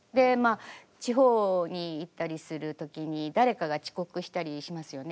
地方に行ったりする時に誰かが遅刻したりしますよね。